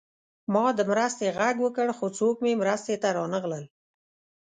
ما د مرستې غږ وکړ خو څوک مې مرستې ته رانغلل